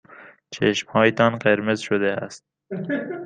چشمهایتان قرمز شده است.